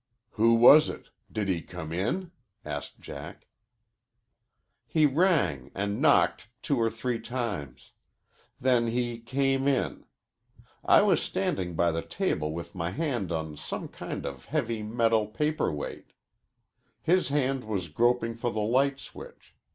"Who was it? Did he come in?" asked Jack. "He rang and knocked two or three times. Then he came in. I was standing by the table with my hand on some kind of heavy metal paperweight. His hand was groping for the light switch.